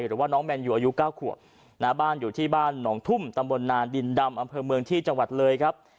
หรือว่าน้องแมนยูอายุ๙ขวบนะบ้านอยู่ที่บ้านหนองทุ่มตำบลนานดินดำอำเภอเมืองที่จังหวัดเลยครับ